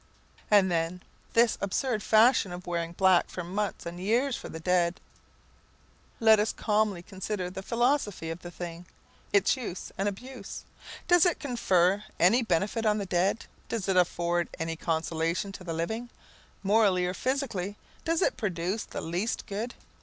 And then, this absurd fashion of wearing black for months and years for the dead; let us calmly consider the philosophy of the thing, its use and abuse. Does it confer any benefit on the dead? Does it afford any consolation to the living? Morally or physically, does it produce the least good?